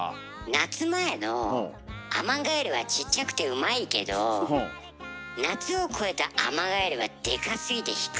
夏前のアマガエルはちっちゃくてうまいけど夏を越えたアマガエルはでかすぎて引く。